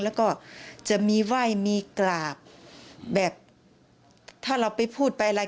แล้วก็จะมีไหว้มีกราบแบบถ้าเราไปพูดไปอะไร